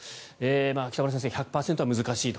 北村先生、１００％は難しいと。